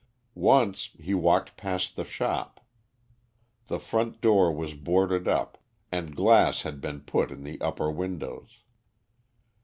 Once he walked past the shop. The front was boarded up, and glass had been put in the upper windows.